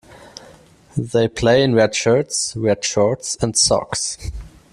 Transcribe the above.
They play in red shirts, red shorts and socks.